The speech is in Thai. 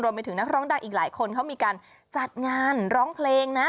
ไปถึงนักร้องดังอีกหลายคนเขามีการจัดงานร้องเพลงนะ